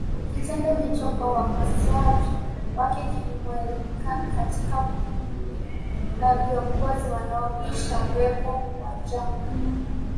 Kitendo hicho kwa wakosoaji wake kilimweka katika kundi la viongozi wanaobisha uwepo wa janga